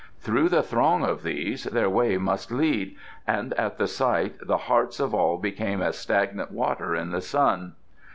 Through the throng of these their way must lead, and at the sight the hearts of all became as stagnant water in the sun.